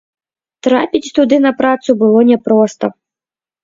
Трапіць туды на працу было няпроста.